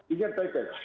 ini yang penting